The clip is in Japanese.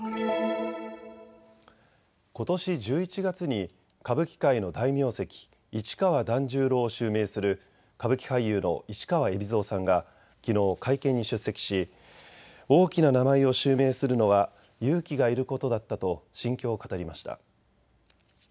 ことし１１月に歌舞伎界の大名跡市川團十郎を襲名する歌舞伎俳優の市川海老蔵さんがきのう会見に出席し大きな名前を襲名するのは勇気がいることだったと心境を語りました。